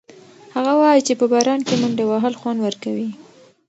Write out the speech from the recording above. هغه وایي چې په باران کې منډه وهل خوند ورکوي.